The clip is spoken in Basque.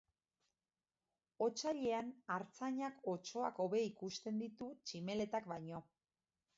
Otsailean artzainak otsoak hobe ikusten ditu tximeletak baino